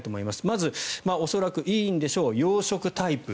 まず恐らくいいんでしょう洋食タイプ。